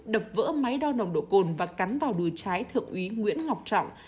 đập vỡ máy đo nồng độ cồn và cắn vào đùi trái thượng úy nguyễn ngọc trọng